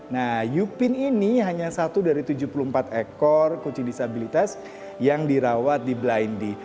nah yupin ini hanya satu dari tujuh puluh empat ekor kucing disabilitas yang dirawat di blendy